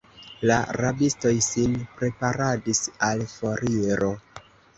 La rabistoj sin preparadis al foriro.